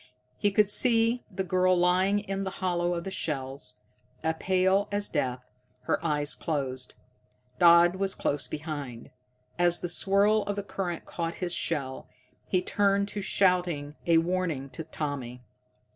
He could see the girl lying in the hollow of the shell, as pale as death, her eyes closed. Dodd was close behind. As the swirl of the current caught his shell, he turned to shout a warning to Tommy.